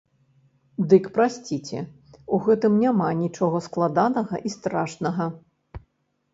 Дык прасіце, у гэтым няма нічога складанага і страшнага.